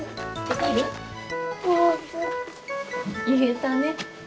いえたね。